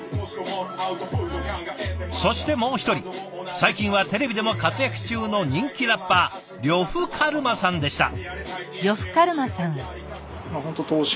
そしてもう一人最近はテレビでも活躍中の人気ラッパー呂布カルマさんでした。